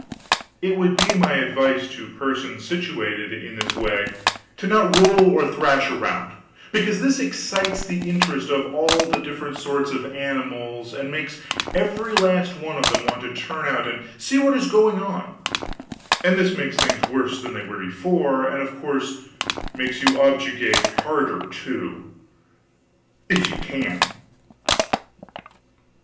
It would be my advice to persons situated in this way, to not roll or thrash around, because this excites the interest of all the different sorts of animals and makes every last one of them want to turn out and see what is going on, and this makes things worse than they were before, and of course makes you objurgate harder, too, if you can.